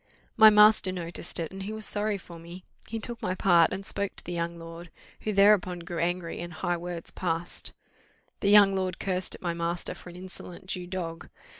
My master noticed it, and he was sorry for me; he took my part, and spoke to the young lord, who thereupon grew angry, and high words passed; the young lord cursed at my master for an insolent Jew dog.